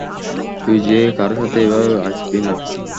তুই যে কারো সাথে এভাবে আসবি না।